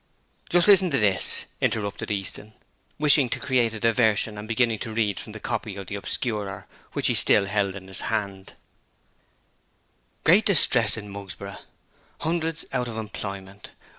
'Just listen to this,' interrupted Easton, wishing to create a diversion and beginning to read from the copy of the Obscurer which he still held in his hand: 'GREAT DISTRESS IN MUGSBOROUGH. HUNDREDS OUT OF EMPLOYMENT.